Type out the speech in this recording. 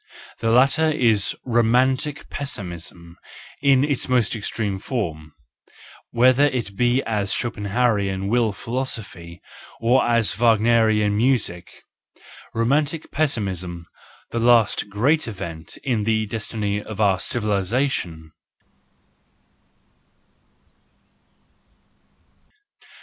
The latter is romantic pessimism in its most extreme form, whether it be as Schopen hauerian will philosophy, or as Wagnerian music :— romantic pessimism, the last great event in the destiny of our civilisation.